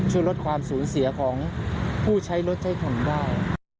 ช่วยลดความสูญเสียของผู้ใช้รถใช้ถนนได้